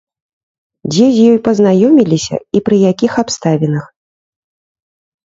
Дзе з ёй пазнаёміліся і пры якіх абставінах?